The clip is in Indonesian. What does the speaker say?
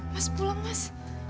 mas puleng mas